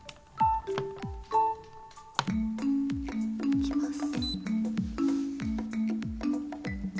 いきます。